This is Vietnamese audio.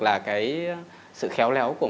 là cái sự khéo léo của